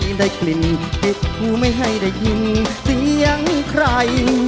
ไม่ให้ได้กลิ่นเห็ดหูไม่ให้ได้ยินเสียงใคร